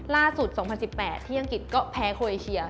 ล่าสุด๒๐๑๘ที่อังกฤษก็แพ้โคเอเชีย